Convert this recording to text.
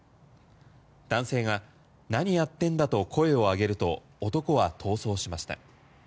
男性が何やってんだと声を上げると男は逃走しました。